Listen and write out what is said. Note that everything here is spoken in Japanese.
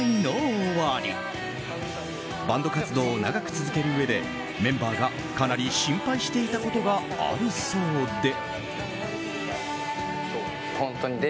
バンド活動を長く続けるうえでメンバーがかなり心配していたことがあるそうで。